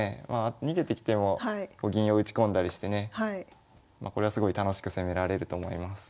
逃げてきても銀を打ち込んだりしてねこれはすごい楽しく攻められると思います。